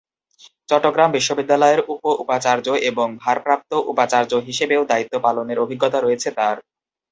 চট্টগ্রাম বিশ্ববিদ্যালয়ের উপ-উপাচার্য এবং ভারপ্রাপ্ত উপাচার্য হিসেবেও দায়িত্ব পালনের অভিজ্ঞতা রয়েছে তার।